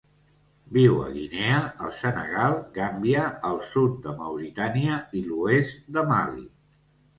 Viu a Guinea, el Senegal, Gàmbia, el sud de Mauritània i l'oest de Mali.